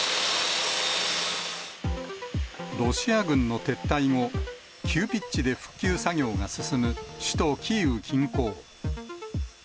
ロシア軍の撤退後、急ピッチで復旧作業が進む首都キーウ近郊。